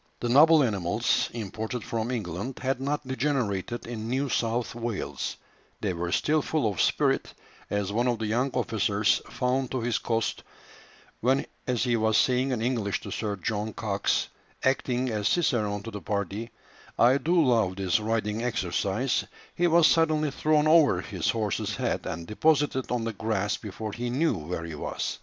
The noble animals, imported from England, had not degenerated in New South Wales; they were still full of spirit as one of the young officers found to his cost, when, as he was saying in English to Sir John Cox, acting as cicerone to the party, "I do love this riding exercise," he was suddenly thrown over his horse's head and deposited on the grass before he knew where he was.